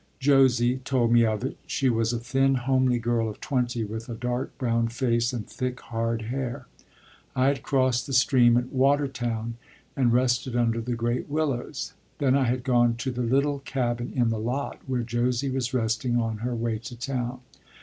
Josie told me of it; she was a thin, homely girl of twenty, with a dark brown face and thick, hard hair. I had crossed the stream at Watertown, and rested under the great willows; then I had gone to the little cabin in the lot where Josie was resting on her way to town.